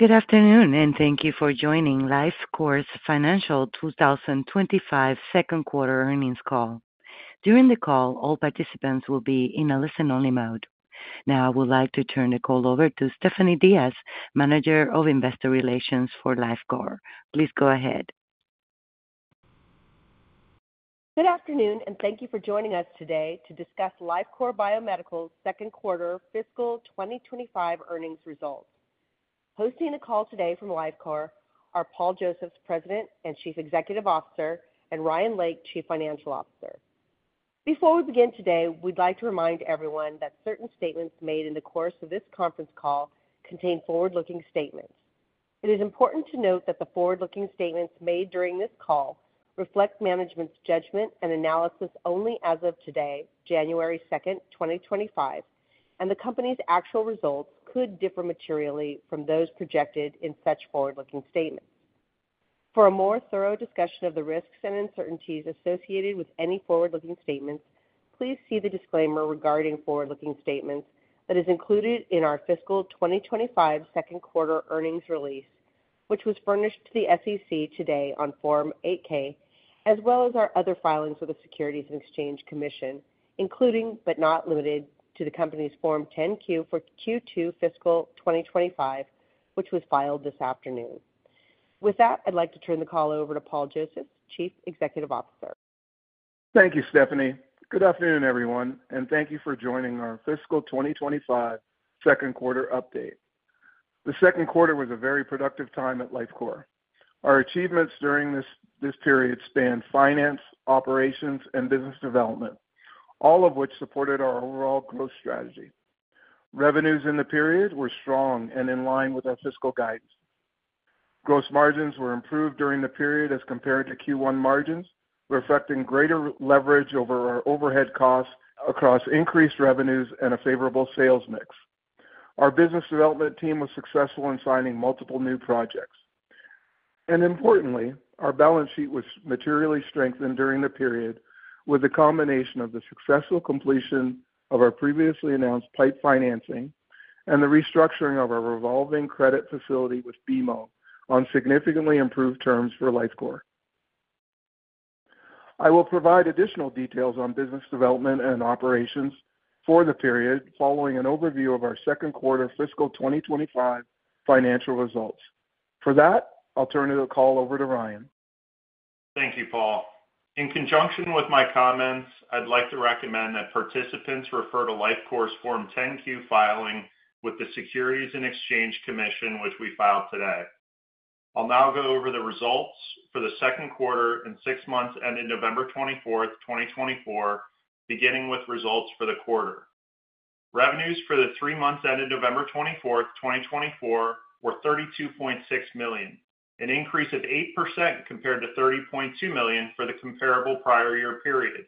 Good afternoon, and thank you for joining Lifecore's financial 2025 second quarter earnings call. During the call, all participants will be in a listen-only mode. Now, I would like to turn the call over to Stephanie Diaz, Manager of Investor Relations for Lifecore. Please go ahead. Good afternoon, and thank you for joining us today to discuss Lifecore Biomedical's second quarter fiscal 2025 earnings results. Hosting the call today from Lifecore are Paul Josephs, President and Chief Executive Officer, and Ryan Lake, Chief Financial Officer. Before we begin today, we'd like to remind everyone that certain statements made in the course of this conference call contain forward-looking statements. It is important to note that the forward-looking statements made during this call reflect management's judgment and analysis only as of today, January 2nd, 2025, and the company's actual results could differ materially from those projected in such forward-looking statements. For a more thorough discussion of the risks and uncertainties associated with any forward-looking statements, please see the disclaimer regarding forward-looking statements that is included in our fiscal 2025 second quarter earnings release, which was furnished to the SEC today on Form 8-K, as well as our other filings with the Securities and Exchange Commission, including but not limited to the company's Form 10-Q for Q2 fiscal 2025, which was filed this afternoon. With that, I'd like to turn the call over to Paul Josephs, Chief Executive Officer. Thank you, Stephanie. Good afternoon, everyone, and thank you for joining our fiscal 2025 second quarter update. The second quarter was a very productive time at Lifecore. Our achievements during this period spanned finance, operations, and business development, all of which supported our overall growth strategy. Revenues in the period were strong and in line with our fiscal guidance. Gross margins were improved during the period as compared to Q1 margins, reflecting greater leverage over our overhead costs across increased revenues and a favorable sales mix. Our business development team was successful in signing multiple new projects, and importantly, our balance sheet was materially strengthened during the period with the combination of the successful completion of our previously announced PIPE financing and the restructuring of our revolving credit facility with BMO on significantly improved terms for Lifecore. I will provide additional details on business development and operations for the period following an overview of our second quarter fiscal 2025 financial results. For that, I'll turn the call over to Ryan. Thank you, Paul. In conjunction with my comments, I'd like to recommend that participants refer to Lifecore's Form 10-Q filing with the Securities and Exchange Commission, which we filed today. I'll now go over the results for the second quarter and six months ended November 24th, 2024, beginning with results for the quarter. Revenues for the three months ended November 24th, 2024, were $32.6 million, an increase of 8% compared to $30.2 million for the comparable prior year period.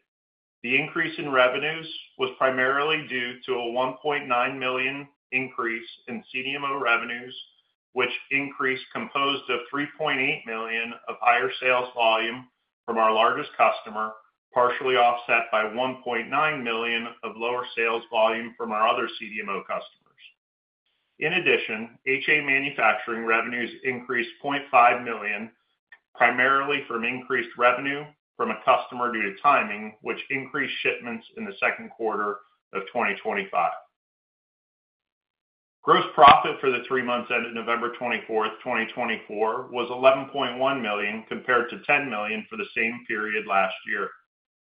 The increase in revenues was primarily due to a $1.9 million increase in CDMO revenues, which was composed of $3.8 million of higher sales volume from our largest customer, partially offset by $1.9 million of lower sales volume from our other CDMO customers. In addition, HA manufacturing revenues increased $0.5 million, primarily from increased revenue from a customer due to timing, which increased shipments in the second quarter of 2025. Gross profit for the three months ended November 24th, 2024, was $11.1 million compared to $10 million for the same period last year.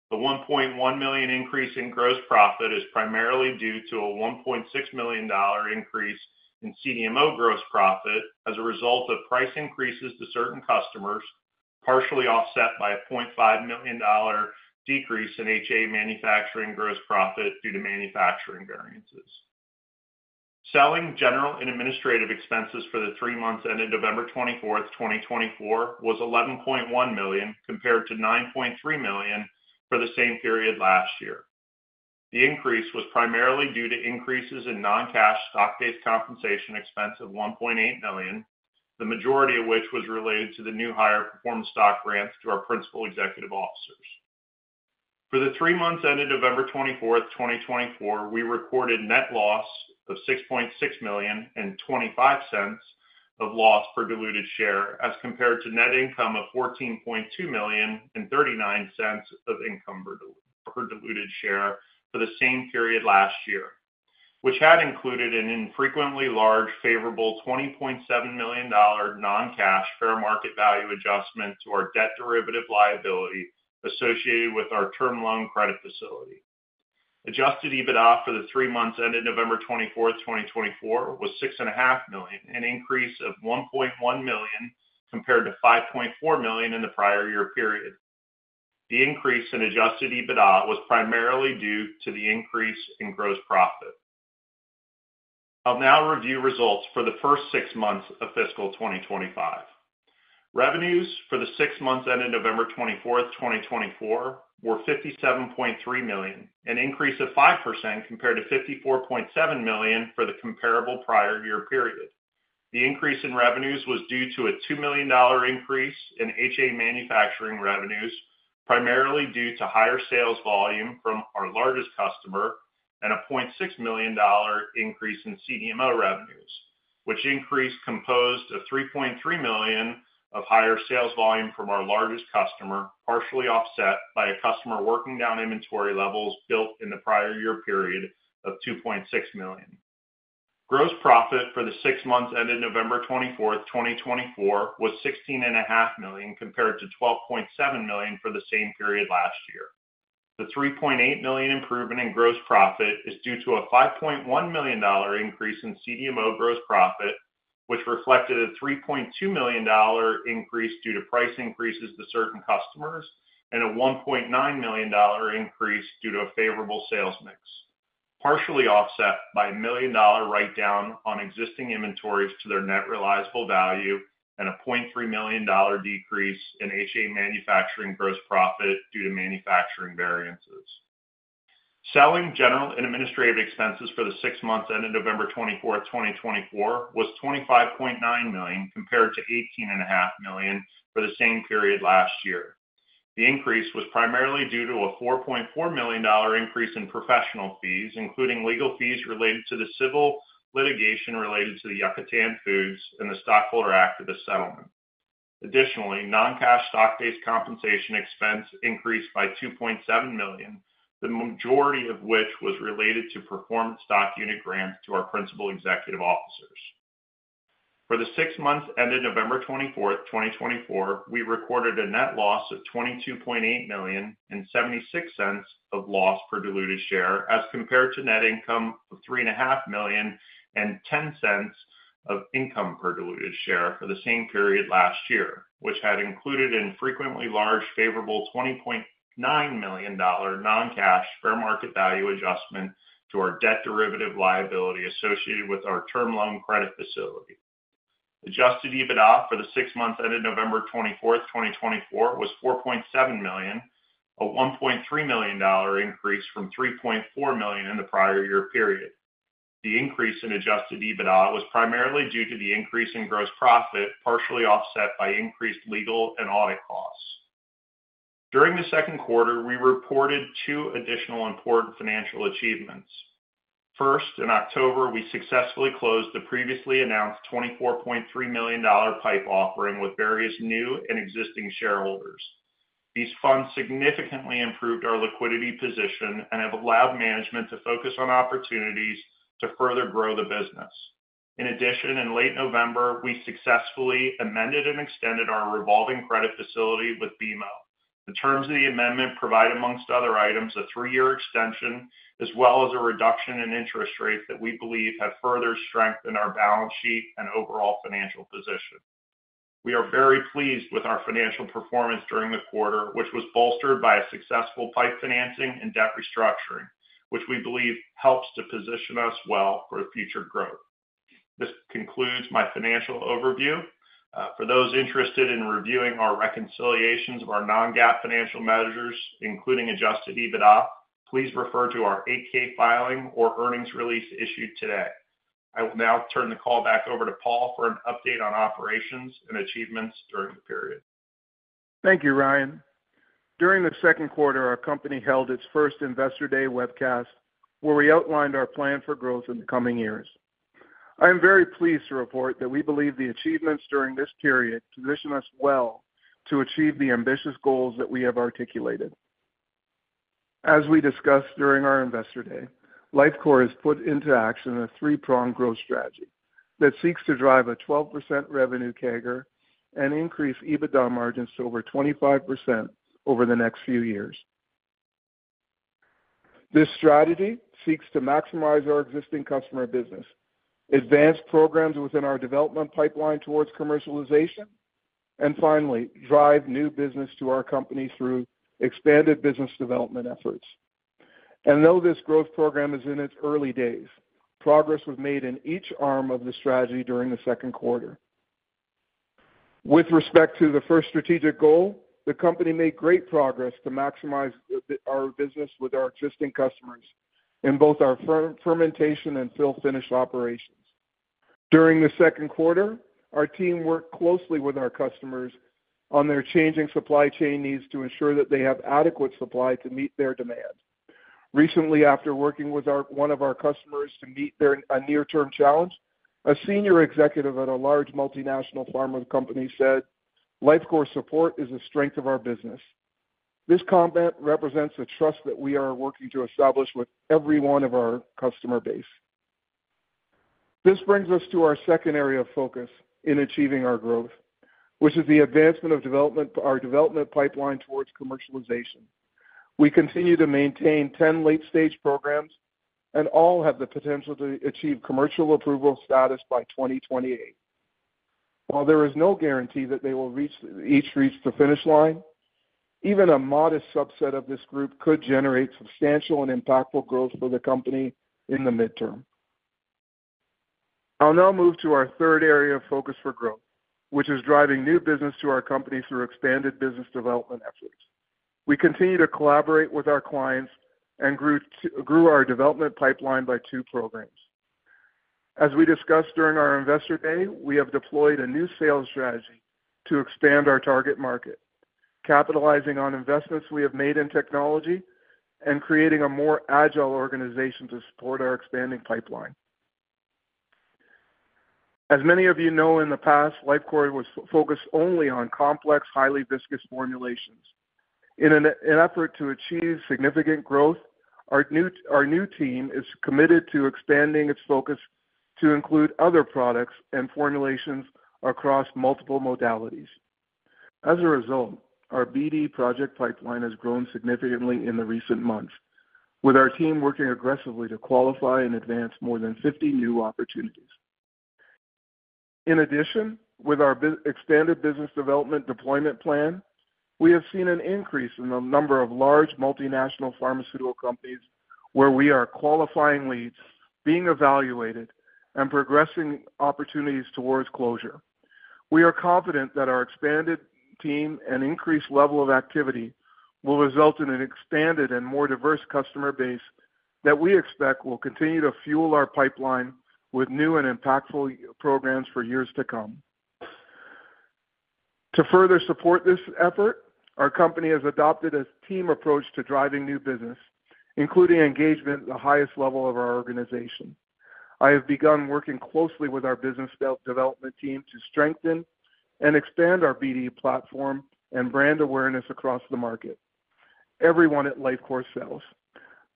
The $1.1 million increase in gross profit is primarily due to a $1.6 million increase in CDMO gross profit as a result of price increases to certain customers, partially offset by a $0.5 million decrease in HA manufacturing gross profit due to manufacturing variances. Selling general and administrative expenses for the three months ended November 24th, 2024, was $11.1 million compared to $9.3 million for the same period last year. The increase was primarily due to increases in non-cash stock-based compensation expense of $1.8 million, the majority of which was related to the new higher performance stock grants to our principal executive officers. For the three months ended November 24th, 2024, we recorded net loss of $6.6 million and $0.25 loss per diluted share as compared to net income of $14.2 million and $0.39 income per diluted share for the same period last year, which had included an infrequently large favorable $20.7 million non-cash fair market value adjustment to our debt derivative liability associated with our term loan credit facility. Adjusted EBITDA for the three months ended November 24th, 2024, was $6.5 million, an increase of $1.1 million compared to $5.4 million in the prior year period. The increase in adjusted EBITDA was primarily due to the increase in gross profit. I'll now review results for the first six months of fiscal 2025. Revenues for the six months ended November 24th, 2024, were $57.3 million, an increase of 5% compared to $54.7 million for the comparable prior year period. The increase in revenues was due to a $2 million increase in HA manufacturing revenues, primarily due to higher sales volume from our largest customer, and a $0.6 million increase in CDMO revenues, which was composed of $3.3 million of higher sales volume from our largest customer, partially offset by a customer working down inventory levels built in the prior year period of $2.6 million. Gross profit for the six months ended November 24th, 2024, was $16.5 million compared to $12.7 million for the same period last year. The $3.8 million improvement in gross profit is due to a $5.1 million increase in CDMO gross profit, which reflected a $3.2 million increase due to price increases to certain customers and a $1.9 million increase due to a favorable sales mix, partially offset by a $1 million write-down on existing inventories to their net realizable value and a $0.3 million decrease in HA manufacturing gross profit due to manufacturing variances. Selling general and administrative expenses for the six months ended November 24th, 2024, was $25.9 million compared to $18.5 million for the same period last year. The increase was primarily due to a $4.4 million increase in professional fees, including legal fees related to the civil litigation related to the Yucatan Foods and the Stockholder Action of the settlement. Additionally, non-cash stock-based compensation expense increased by $2.7 million, the majority of which was related to performance stock unit grants to our principal executive officers. For the six months ended November 24th, 2024, we recorded a net loss of $22.8 million and $0.76 loss per diluted share as compared to net income of $3.5 million and $0.10 income per diluted share for the same period last year, which had included an infrequently large favorable $20.9 million non-cash fair market value adjustment to our debt derivative liability associated with our term loan credit facility. Adjusted EBITDA for the six months ended November 24th, 2024, was $4.7 million, a $1.3 million increase from $3.4 million in the prior year period. The increase in adjusted EBITDA was primarily due to the increase in gross profit, partially offset by increased legal and audit costs. During the second quarter, we reported two additional important financial achievements. First, in October, we successfully closed the previously announced $24.3 million PIPE offering with various new and existing shareholders. These funds significantly improved our liquidity position and have allowed management to focus on opportunities to further grow the business. In addition, in late November, we successfully amended and extended our revolving credit facility with BMO. The terms of the amendment provide, among other items, a three-year extension as well as a reduction in interest rates that we believe have further strengthened our balance sheet and overall financial position. We are very pleased with our financial performance during the quarter, which was bolstered by a successful PIPE financing and debt restructuring, which we believe helps to position us well for future growth. This concludes my financial overview. For those interested in reviewing our reconciliations of our non-GAAP financial measures, including Adjusted EBITDA, please refer to our 8-K filing or earnings release issued today. I will now turn the call back over to Paul for an update on operations and achievements during the period. Thank you, Ryan. During the second quarter, our company held its first Investor Day webcast, where we outlined our plan for growth in the coming years. I am very pleased to report that we believe the achievements during this period position us well to achieve the ambitious goals that we have articulated. As we discussed during our Investor Day, Lifecore has put into action a three-pronged growth strategy that seeks to drive a 12% revenue CAGR and increase EBITDA margins to over 25% over the next few years. This strategy seeks to maximize our existing customer business, advance programs within our development pipeline towards commercialization, and finally, drive new business to our company through expanded business development efforts. And though this growth program is in its early days, progress was made in each arm of the strategy during the second quarter. With respect to the first strategic goal, the company made great progress to maximize our business with our existing customers in both our fermentation and fill-finish operations. During the second quarter, our team worked closely with our customers on their changing supply chain needs to ensure that they have adequate supply to meet their demand. Recently, after working with one of our customers to meet a near-term challenge, a senior executive at a large multinational pharma company said, "Lifecore support is a strength of our business." This comment represents the trust that we are working to establish with every one of our customer base. This brings us to our second area of focus in achieving our growth, which is the advancement of our development pipeline towards commercialization. We continue to maintain 10 late-stage programs and all have the potential to achieve commercial approval status by 2028. While there is no guarantee that they will each reach the finish line, even a modest subset of this group could generate substantial and impactful growth for the company in the midterm. I'll now move to our third area of focus for growth, which is driving new business to our company through expanded business development efforts. We continue to collaborate with our clients and grew our development pipeline by two programs. As we discussed during our Investor Day, we have deployed a new sales strategy to expand our target market, capitalizing on investments we have made in technology and creating a more agile organization to support our expanding pipeline. As many of you know, in the past, Lifecore was focused only on complex, highly viscous formulations. In an effort to achieve significant growth, our new team is committed to expanding its focus to include other products and formulations across multiple modalities. As a result, our BD project pipeline has grown significantly in the recent months, with our team working aggressively to qualify and advance more than 50 new opportunities. In addition, with our expanded business development deployment plan, we have seen an increase in the number of large multinational pharmaceutical companies where we are qualifying leads, being evaluated, and progressing opportunities towards closure. We are confident that our expanded team and increased level of activity will result in an expanded and more diverse customer base that we expect will continue to fuel our pipeline with new and impactful programs for years to come. To further support this effort, our company has adopted a team approach to driving new business, including engagement at the highest level of our organization. I have begun working closely with our business development team to strengthen and expand our BD platform and brand awareness across the market. Everyone at Lifecore sells.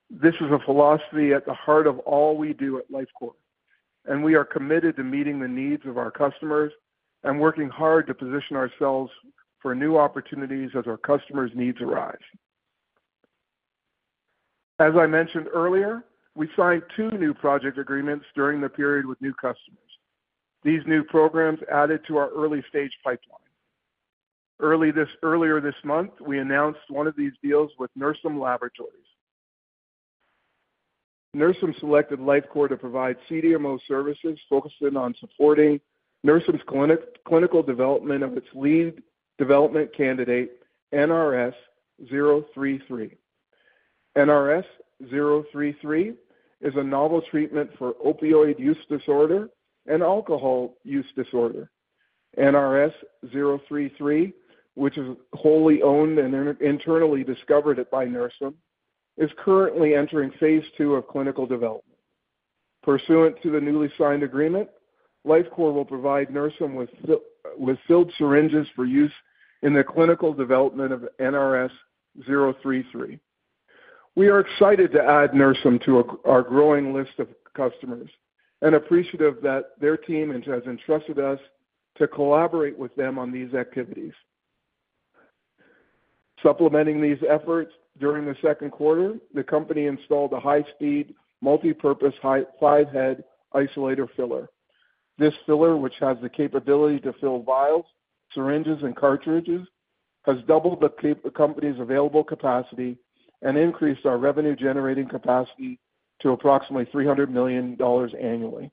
This is a philosophy at the heart of all we do at Lifecore, and we are committed to meeting the needs of our customers and working hard to position ourselves for new opportunities as our customers' needs arise. As I mentioned earlier, we signed two new project agreements during the period with new customers. These new programs added to our early-stage pipeline. Earlier this month, we announced one of these deals with Nursim Laboratories. Nursim selected Lifecore to provide CDMO services focusing on supporting Nursim's clinical development of its lead development candidate, NRS-033. NRS-033 is a novel treatment for opioid use disorder and alcohol use disorder. NRS-033, which is wholly owned and internally discovered by Nursim, is currently entering phase two of clinical development. Pursuant to the newly signed agreement, Lifecore will provide Nursim with filled syringes for use in the clinical development of NRS-033. We are excited to add Nursim to our growing list of customers and appreciative that their team has entrusted us to collaborate with them on these activities. Supplementing these efforts, during the second quarter, the company installed a high-speed multipurpose five-head isolator filler. This filler, which has the capability to fill vials, syringes, and cartridges, has doubled the company's available capacity and increased our revenue-generating capacity to approximately $300 million annually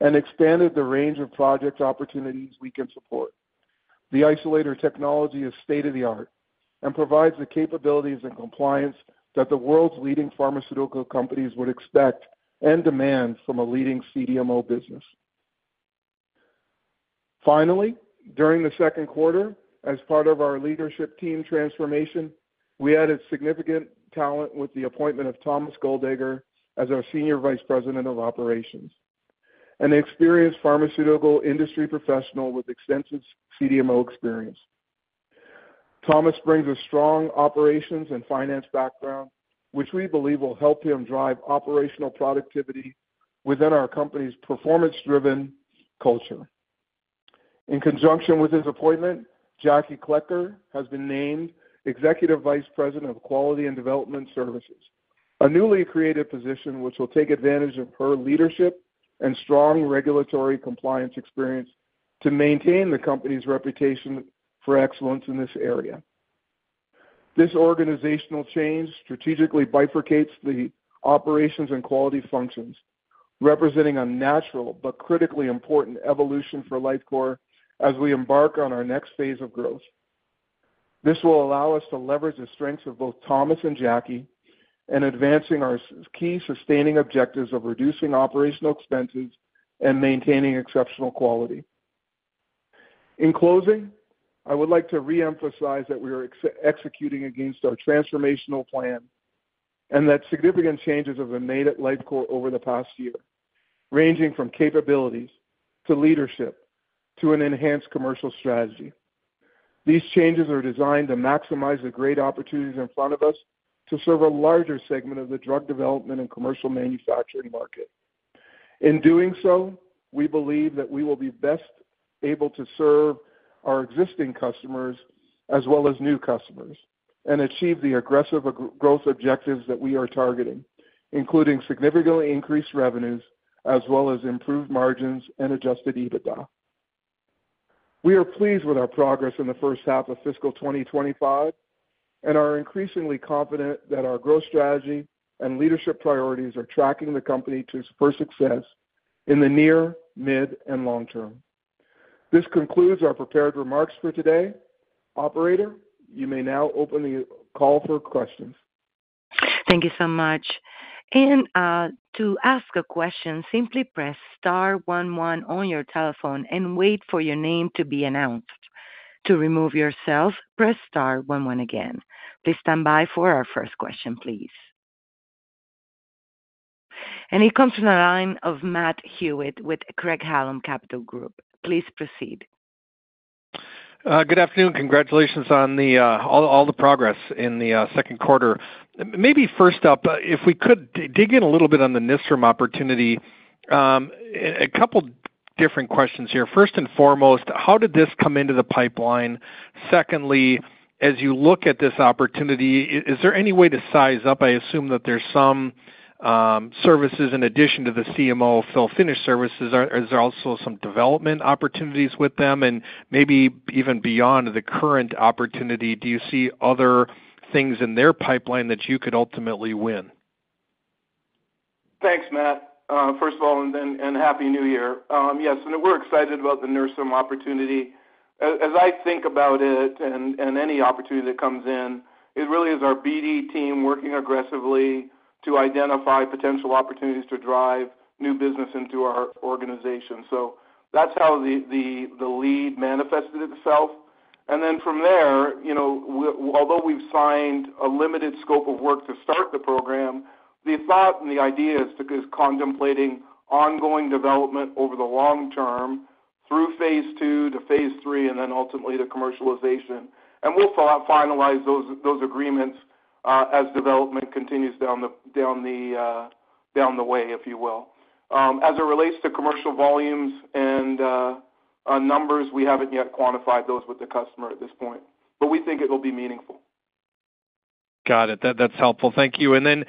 and expanded the range of project opportunities we can support. The isolator technology is state-of-the-art and provides the capabilities and compliance that the world's leading pharmaceutical companies would expect and demand from a leading CDMO business. Finally, during the second quarter, as part of our leadership team transformation, we added significant talent with the appointment of Thomas Goldacker as our Senior Vice President of Operations, an experienced pharmaceutical industry professional with extensive CDMO experience. Thomas brings a strong operations and finance background, which we believe will help him drive operational productivity within our company's performance-driven culture. In conjunction with his appointment, Jackie Klecker has been named Executive Vice President of Quality and Development Services, a newly created position which will take advantage of her leadership and strong regulatory compliance experience to maintain the company's reputation for excellence in this area. This organizational change strategically bifurcates the operations and quality functions, representing a natural but critically important evolution for Lifecore as we embark on our next phase of growth. This will allow us to leverage the strengths of both Thomas and Jackie in advancing our key sustaining objectives of reducing operational expenses and maintaining exceptional quality. In closing, I would like to re-emphasize that we are executing against our transformational plan and that significant changes have been made at Lifecore over the past year, ranging from capabilities to leadership to an enhanced commercial strategy. These changes are designed to maximize the great opportunities in front of us to serve a larger segment of the drug development and commercial manufacturing market. In doing so, we believe that we will be best able to serve our existing customers as well as new customers and achieve the aggressive growth objectives that we are targeting, including significantly increased revenues as well as improved margins and Adjusted EBITDA. We are pleased with our progress in the first half of fiscal 2025 and are increasingly confident that our growth strategy and leadership priorities are tracking the company to further success in the near, mid, and long term. This concludes our prepared remarks for today. Operator, you may now open the call for questions. Thank you so much, and to ask a question, simply press star 11 on your telephone and wait for your name to be announced. To remove yourself, press star 11 again. Please stand by for our first question, please, and it comes from the line of Matt Hewitt with Craig-Hallum Capital Group. Please proceed. Good afternoon. Congratulations on all the progress in the second quarter. Maybe first up, if we could dig in a little bit on the Nursim opportunity, a couple of different questions here. First and foremost, how did this come into the pipeline? Secondly, as you look at this opportunity, is there any way to size up? I assume that there are some services in addition to the CMO fill-finish services. Are there also some development opportunities with them? And maybe even beyond the current opportunity, do you see other things in their pipeline that you could ultimately win? Thanks, Matt. First of all, and happy new year. Yes, we're excited about the Nursim opportunity. As I think about it and any opportunity that comes in, it really is our BD team working aggressively to identify potential opportunities to drive new business into our organization. So that's how the lead manifested itself. And then from there, although we've signed a limited scope of work to start the program, the thought and the idea is to be contemplating ongoing development over the long term through phase two to phase three and then ultimately to commercialization. And we'll finalize those agreements as development continues down the way, if you will. As it relates to commercial volumes and numbers, we haven't yet quantified those with the customer at this point, but we think it will be meaningful. Got it. That's helpful. Thank you. And then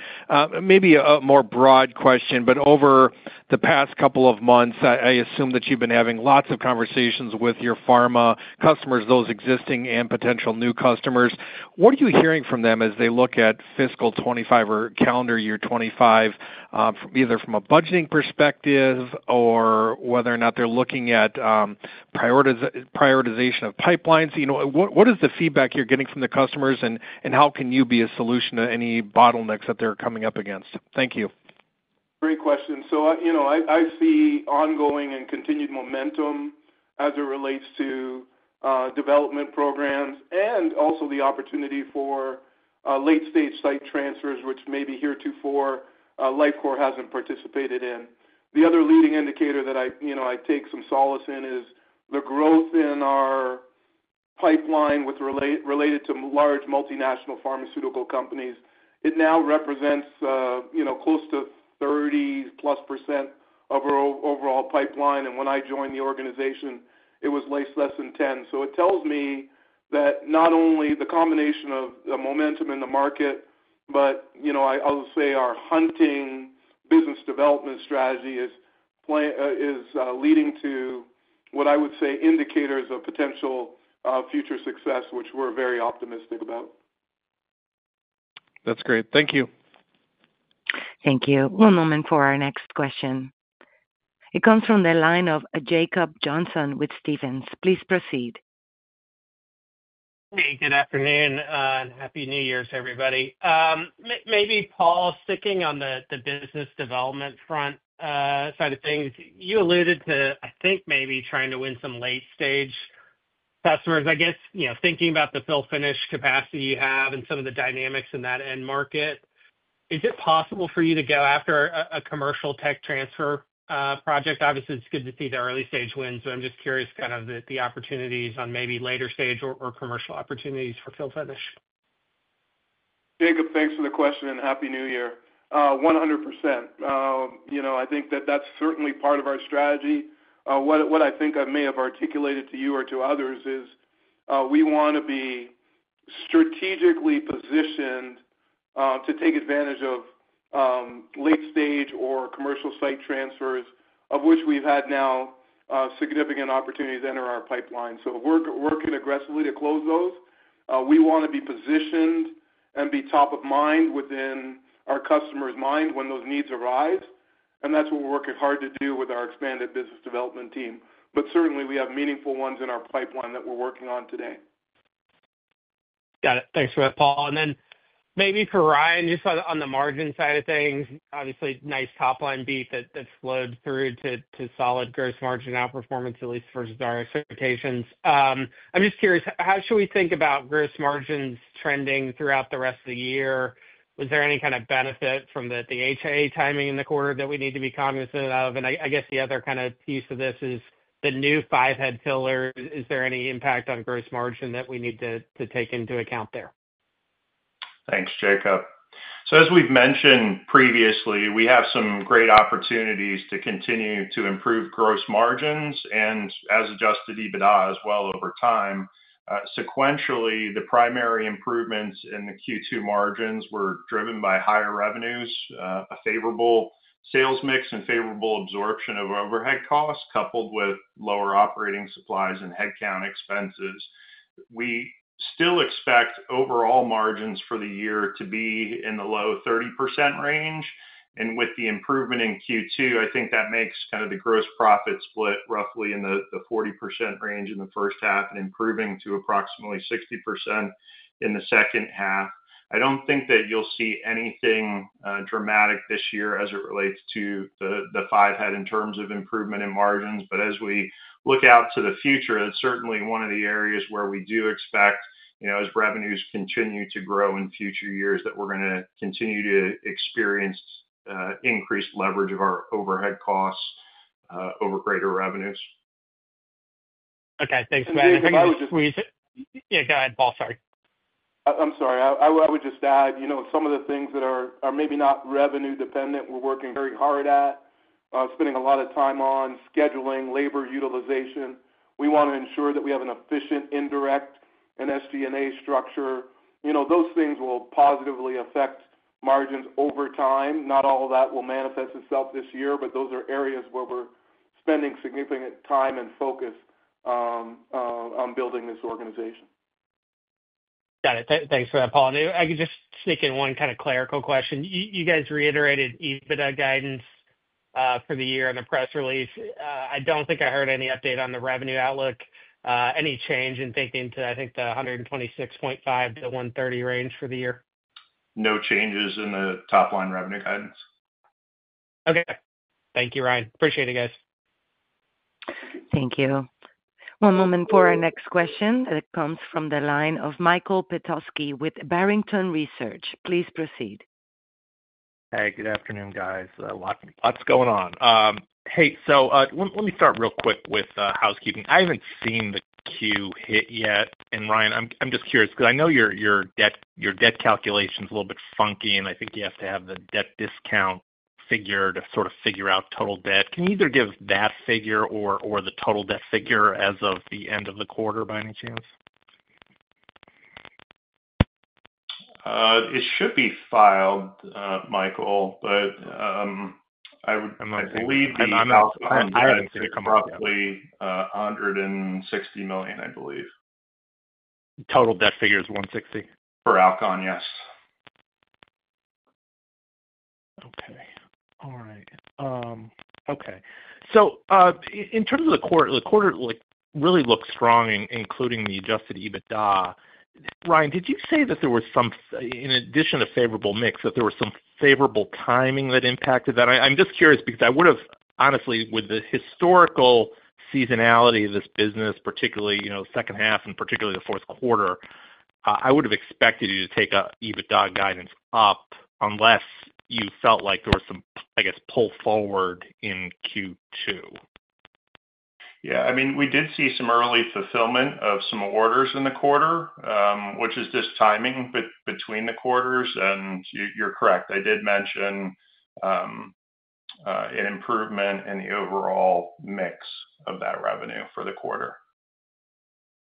maybe a more broad question, but over the past couple of months, I assume that you've been having lots of conversations with your pharma customers, those existing and potential new customers. What are you hearing from them as they look at fiscal 2025 or calendar year 2025, either from a budgeting perspective or whether or not they're looking at prioritization of pipelines? What is the feedback you're getting from the customers, and how can you be a solution to any bottlenecks that they're coming up against? Thank you. Great question. So I see ongoing and continued momentum as it relates to development programs and also the opportunity for late-stage site transfers, which maybe heretofore Lifecore hasn't participated in. The other leading indicator that I take some solace in is the growth in our pipeline related to large multinational pharmaceutical companies. It now represents close to 30+% of our overall pipeline. And when I joined the organization, it was less than 10%. So it tells me that not only the combination of the momentum in the market, but I'll say our hunting business development strategy is leading to what I would say indicators of potential future success, which we're very optimistic about. That's great. Thank you. Thank you. One moment for our next question. It comes from the line of Jacob Johnson with Stephens. Please proceed. Hey, good afternoon and happy New Year to everybody. Maybe Paul, sticking on the business development front side of things, you alluded to, I think, maybe trying to win some late-stage customers. I guess thinking about the fill-finish capacity you have and some of the dynamics in that end market, is it possible for you to go after a commercial tech transfer project? Obviously, it's good to see the early-stage wins, but I'm just curious kind of the opportunities on maybe later-stage or commercial opportunities for fill-finish. Jacob, thanks for the question and Happy New Year. 100%. I think that that's certainly part of our strategy. What I think I may have articulated to you or to others is we want to be strategically positioned to take advantage of late-stage or commercial site transfers, of which we've had now significant opportunities enter our pipeline. So working aggressively to close those. We want to be positioned and be top of mind within our customer's mind when those needs arise. And that's what we're working hard to do with our expanded business development team. But certainly, we have meaningful ones in our pipeline that we're working on today. Got it. Thanks for that, Paul. And then maybe for Ryan, just on the margin side of things, obviously, nice top-line beat that flowed through to solid gross margin outperformance, at least versus our expectations. I'm just curious, how should we think about gross margins trending throughout the rest of the year? Was there any kind of benefit from the HA timing in the quarter that we need to be cognizant of? And I guess the other kind of piece of this is the new five-head filler. Is there any impact on gross margin that we need to take into account there? Thanks, Jacob. As we've mentioned previously, we have some great opportunities to continue to improve gross margins and Adjusted EBITDA as well over time. Sequentially, the primary improvements in the Q2 margins were driven by higher revenues, a favorable sales mix, and favorable absorption of overhead costs coupled with lower operating supplies and headcount expenses. We still expect overall margins for the year to be in the low 30% range. With the improvement in Q2, I think that makes kind of the gross profit split roughly in the 40% range in the first half and improving to approximately 60% in the second half. I don't think that you'll see anything dramatic this year as it relates to the five-head in terms of improvement in margins. But as we look out to the future, it's certainly one of the areas where we do expect, as revenues continue to grow in future years, that we're going to continue to experience increased leverage of our overhead costs over greater revenues. Okay. Thanks, Brad. Yeah, go ahead, Paul. Sorry. I'm sorry. I would just add some of the things that are maybe not revenue-dependent, we're working very hard at, spending a lot of time on scheduling, labor utilization. We want to ensure that we have an efficient indirect and SG&A structure. Those things will positively affect margins over time. Not all of that will manifest itself this year, but those are areas where we're spending significant time and focus on building this organization. Got it. Thanks for that, Paul. And I could just stick in one kind of clerical question. You guys reiterated EBITDA guidance for the year in the press release. I don't think I heard any update on the revenue outlook, any change in thinking to, I think, the $126.5-$130 range for the year. No changes in the top-line revenue guidance. Okay. Thank you, Ryan. Appreciate it, guys. Thank you. One moment for our next question that comes from the line of Michael Petusky with Barrington Research. Please proceed. Hey, good afternoon, guys. Lots going on. Hey, so let me start real quick with housekeeping. I haven't seen the Q hit yet, and Ryan, I'm just curious because I know your debt calculation is a little bit funky, and I think you have to have the debt discount figure to sort of figure out total debt. Can you either give that figure or the total debt figure as of the end of the quarter by any chance? It should be filed, Michael, but I believe the amount is roughly $160 million, I believe. Total debt figure is 160? For all, yes. Okay. All right. Okay. So in terms of the quarter, the quarter really looked strong, including the Adjusted EBITDA. Ryan, did you say that there was some, in addition to favorable mix, that there was some favorable timing that impacted that? I'm just curious because I would have, honestly, with the historical seasonality of this business, particularly second half and particularly the fourth quarter, I would have expected you to take EBITDA guidance up unless you felt like there was some, I guess, pull forward in Q2. Yeah. I mean, we did see some early fulfillment of some orders in the quarter, which is just timing between the quarters, and you're correct. I did mention an improvement in the overall mix of that revenue for the quarter.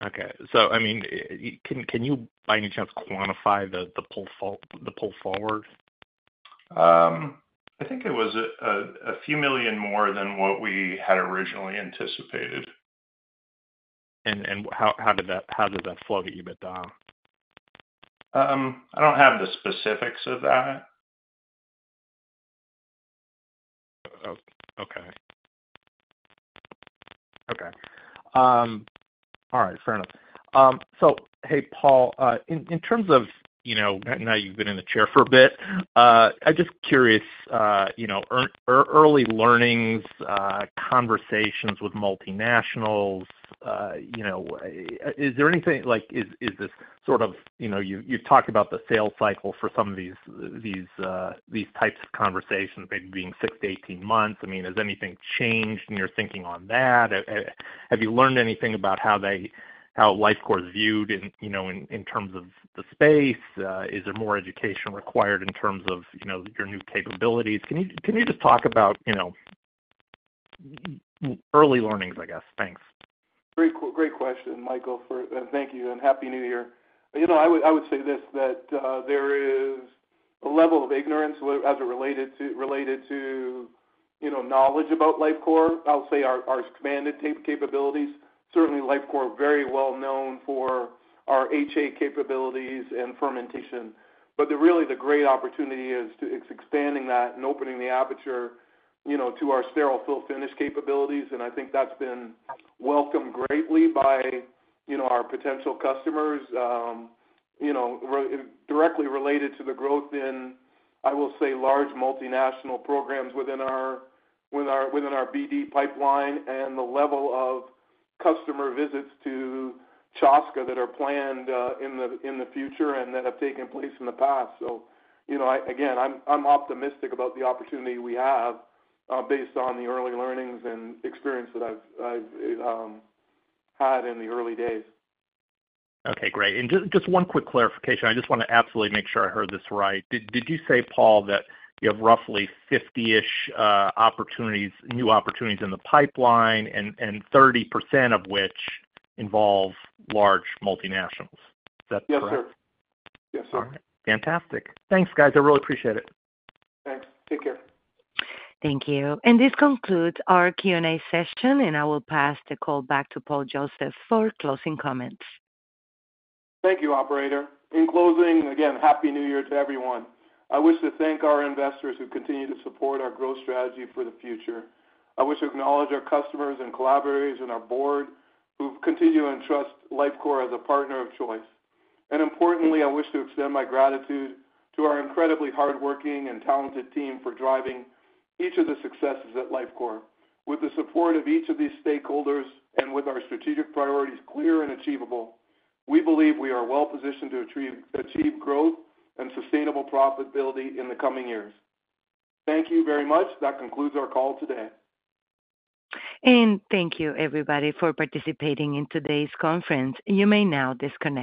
Okay, so I mean, can you, by any chance, quantify the pull forward? I think it was a few million more than what we had originally anticipated. How did that flow to EBITDA? I don't have the specifics of that. Okay. Okay. All right. Fair enough. So hey, Paul, in terms of now you've been in the chair for a bit, I'm just curious, early learnings, conversations with multinationals, is there anything like is this sort of you've talked about the sales cycle for some of these types of conversations, maybe being 6-18 months. I mean, has anything changed in your thinking on that? Have you learned anything about how Lifecore is viewed in terms of the space? Is there more education required in terms of your new capabilities? Can you just talk about early learnings, I guess? Thanks. Great question, Michael, and thank you and happy new year. I would say this: there is a level of ignorance as it relates to knowledge about Lifecore. I'll say our expanded capabilities, certainly Lifecore very well known for our HA capabilities and fermentation. But really, the great opportunity is expanding that and opening the aperture to our sterile fill-finish capabilities. I think that's been welcomed greatly by our potential customers, directly related to the growth in, I will say, large multinational programs within our BD pipeline and the level of customer visits to Chaska that are planned in the future and that have taken place in the past. So again, I'm optimistic about the opportunity we have based on the early learnings and experience that I've had in the early days. Okay. Great. And just one quick clarification. I just want to absolutely make sure I heard this right. Did you say, Paul, that you have roughly 50-ish new opportunities in the pipeline and 30% of which involve large multinationals? Is that correct? Yes, sir. Yes, sir. All right. Fantastic. Thanks, guys. I really appreciate it. Thanks. Take care. Thank you. And this concludes our Q&A session, and I will pass the call back to Paul Josephs for closing comments. Thank you, operator. In closing, again, happy new year to everyone. I wish to thank our investors who continue to support our growth strategy for the future. I wish to acknowledge our customers and collaborators and our board who continue to entrust Lifecore as a partner of choice. And importantly, I wish to extend my gratitude to our incredibly hardworking and talented team for driving each of the successes at Lifecore. With the support of each of these stakeholders and with our strategic priorities clear and achievable, we believe we are well positioned to achieve growth and sustainable profitability in the coming years. Thank you very much. That concludes our call today. Thank you, everybody, for participating in today's conference. You may now disconnect.